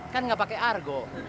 kan gak pakai argo